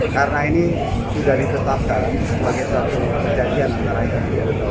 karena ini sudah ditetapkan sebagai satu kejadian yang kita lakukan